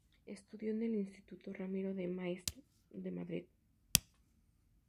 Estudió en el Instituto Ramiro de Maeztu de Madrid.